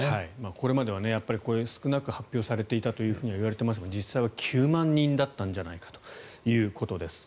これまでは少なく発表されていたというふうにはいわれていますが実際は９万人だったんじゃないかということです。